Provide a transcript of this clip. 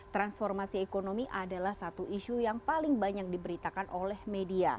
transformasi ekonomi adalah satu isu yang paling banyak diberitakan oleh media